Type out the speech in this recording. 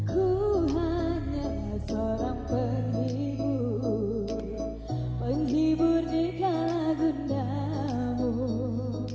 ku hanya seorang penghibur penghibur di kalagundamu